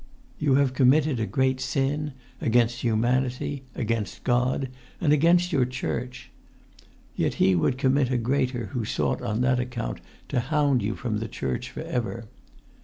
You have committed a great sin, against humanity, against God, and against your Church; yet he would commit a greater who sought on that account to hound you from that Church for ever.